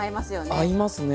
合いますね。